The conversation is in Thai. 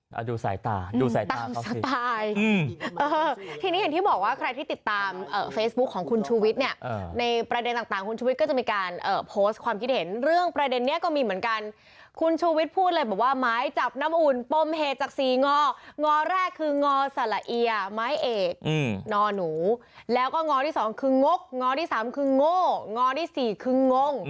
แล้วก็งอที่สองคืองกงอที่สามคืองโง่งอที่สี่คืองงง